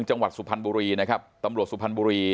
จังหวัดสุพรรณบุรีนะครับตำรวจสุพรรณบุรี